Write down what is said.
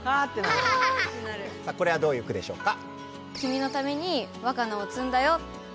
これはどういう句でしょうか？